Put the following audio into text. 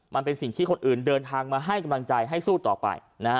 มันเป็นสิ่งที่คนอื่นเดินทางมาให้กำลังใจให้สู้ต่อไป